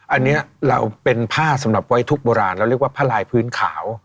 อันนี้เราเป็นผ้าสำหรับไว้ทุกโบราณเราเรียกว่าผ้าลายพื้นขาว